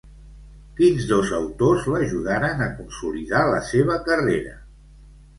Quins dos autors l'ajudaren a consolidar la seva carrera?